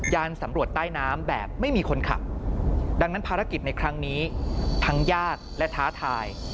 สำรวจใต้น้ำแบบไม่มีคนขับดังนั้นภารกิจในครั้งนี้ทั้งญาติและท้าทาย